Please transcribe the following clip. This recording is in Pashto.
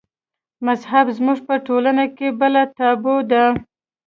مذهب زموږ په ټولنه کې بله تابو ده.